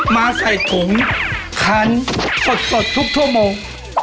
มาใส่ถุงคันสดทุกชั่วโมง